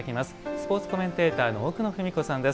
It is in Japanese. スポーツコメンテーターの奥野史子さんです。